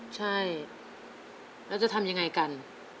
ใช่แล้วจะทำยังไงกัน